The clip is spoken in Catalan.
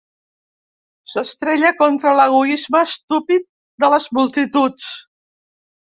S'estrella contra l'egoisme estúpid de les multituds.